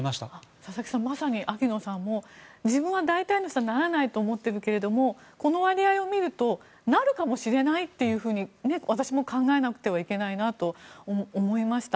佐々木さん、まさに秋野さんも自分も大体の人はならないと思っているけどこの割合を見るとなるかもしれないって私も考えなくてはいけないなと思いました。